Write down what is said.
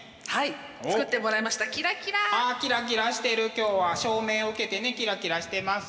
今日は照明を受けてねキラキラしてます。